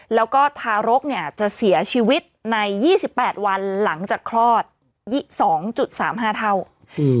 แล้วก็ทารกเนี่ยจะเสียชีวิตในยี่สิบแปดวันหลังจากคลอดยี่สองจุดสามห้าเท่าอืม